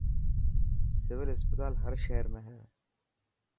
سول اسپتال هر شهر ۾ هي.